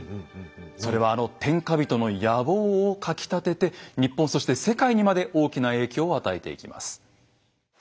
それはあの天下人の野望をかきたてて日本そして世界にまで大きな影響を与えていきます。